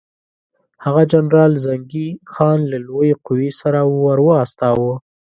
هغه جنرال زنګي خان له لویې قوې سره ورواستاوه.